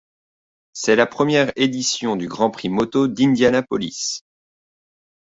C'est la première édition du Grand Prix moto d'Indianapolis.